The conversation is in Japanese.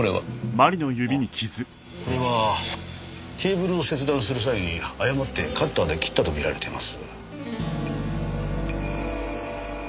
ああこれはケーブルを切断する際に誤ってカッターで切ったと見られています。